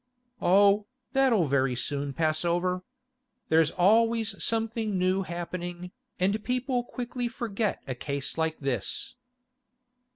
'Oh, that'll very soon pass over. There's always something new happening, and people quickly forget a case like this.